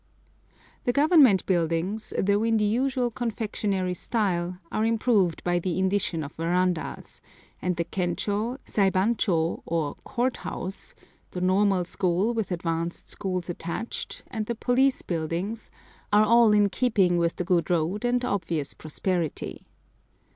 The Government Buildings, though in the usual confectionery style, are improved by the addition of verandahs; and the Kenchô, Saibanchô, or Court House, the Normal School with advanced schools attached, and the police buildings, are all in keeping with the good road and obvious prosperity.